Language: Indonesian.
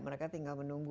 mereka tinggal menunggu ya